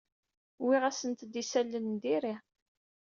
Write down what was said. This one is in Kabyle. Uwyeɣ-asent-d isalan n diri.